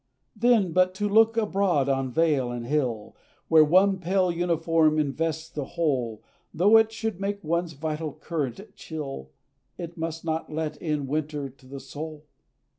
Then, but to look abroad on vale and hill, Where one pale uniform invests the whole, Though it should make one's vital current chill, It must not let in winter to the soul!